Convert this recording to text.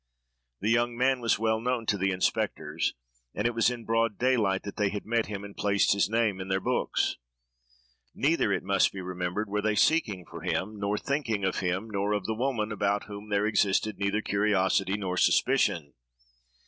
The young man was well known to the inspectors, and it was in broad daylight that they had met him and placed his name in their books. Neither, it must be remembered, were they seeking for him, nor thinking of him, nor of the woman, about whom there existed neither curiosity nor suspicion.